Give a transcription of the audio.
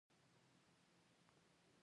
بهادر شاه ظفر د پاڅون مشر شو.